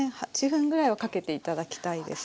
８分ぐらいはかけて頂きたいです。